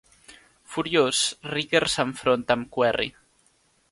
Furiós, Rycker s'enfronta amb Querry.